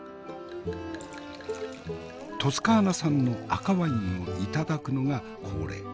トスカーナ産の赤ワインを頂くのが恒例。